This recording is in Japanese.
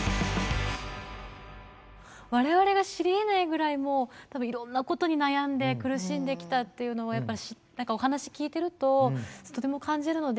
われわれが知りえないぐらいもう、いろんなことに悩んで苦しんできたっていうのをお話、聞いてるととても感じるので。